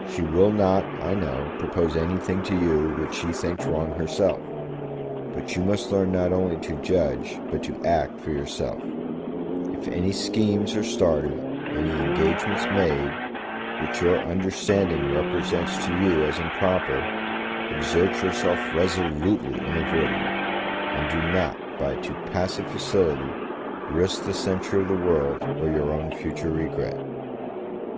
She will not, I know, propose any thing to you which she thinks wrong herself; but you must learn not only to judge but to act for yourself; if any schemes are started, any engagements made, which your understanding represents to you as improper, exert yourself resolutely in avoiding them; and do not, by a too passive facility, risk the censure of the world, or your own future regret.